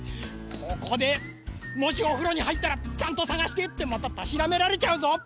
ここでもしおふろにはいったら「ちゃんとさがして」ってまたたしなめられちゃうぞ！